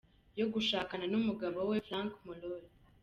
yo gushakana numugabo we Frank Morel.